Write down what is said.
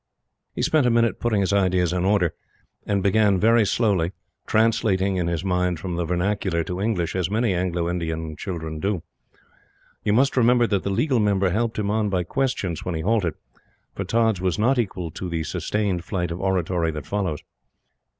He spent a minute putting his ideas in order, and began very slowly, translating in his mind from the vernacular to English, as many Anglo Indian children do. You must remember that the Legal Member helped him on by questions when he halted, for Tods was not equal to the sustained flight of oratory that follows.